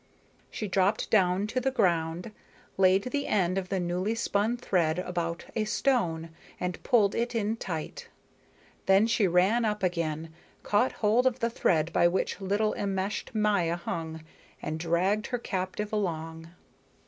She dropped down to the ground, laid the end of the newly spun thread about a stone, and pulled it in tight. Then she ran up again, caught hold of the thread by which little enmeshed Maya hung, and dragged her captive along.